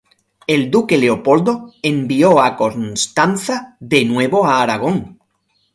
El duque Leopoldo envió a Constanza de nuevo a Aragón.